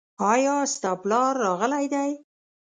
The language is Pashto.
ایا ستا پلار راغلی دی ؟